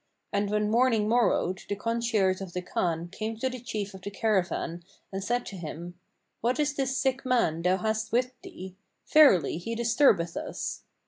And when morning morrowed the concierge of the Khan came to the chief of the caravan and said to him, "What is this sick man thou hast with thee? Verily, he disturbeth us."